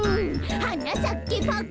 「はなさけパッカン」